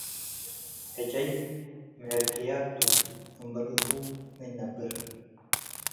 ዕጨይ ምዕርክያት ቱ፡ እምበል እቡ ሚ እንነብር?